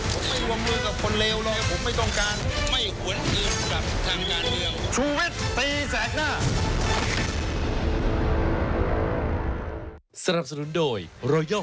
ผมไม่ว่ามือกับคนเลวหรอก